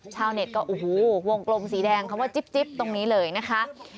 ชาวเน็ตก็โอ้โหวงกลมสีแดงคำว่าจิ๊บตรงนี้เลยนะคะ